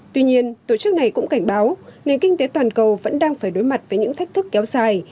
tuy nhiên tổ chức này cũng cảnh báo nền kinh tế toàn cầu vẫn đang phải đối mặt với những thách thức kéo dài